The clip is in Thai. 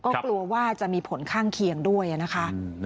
ก็กลัวว่าจะมีผลข้างเคียงด้วยนะคะ